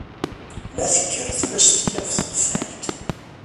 Ma tekker tmes, tekki ɣe tqeffalt.